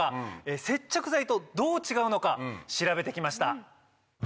接着剤とどう違うのか調べてきました。